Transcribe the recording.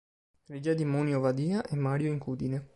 Regia di Moni Ovadia e Mario Incudine.